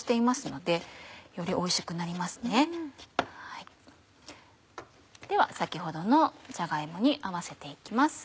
では先ほどのじゃが芋に合わせて行きます。